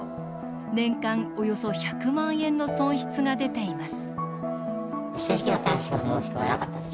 年間およそ１００万円の損失が出ています。